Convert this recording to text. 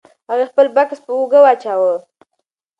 هغې خپل بکس په اوږه واچاوه.